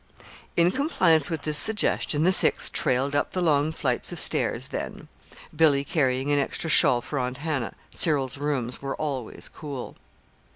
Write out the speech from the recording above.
In compliance with this suggestion, the six trailed up the long flights of stairs then, Billy carrying an extra shawl for Aunt Hannah Cyril's rooms were always cool.